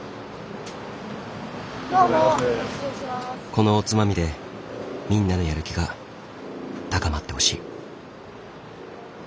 このおつまみでみんなのやる気が高まってほしい。